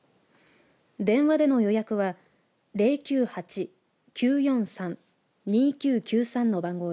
電話での予約は０９８‐９４３‐２９９３です。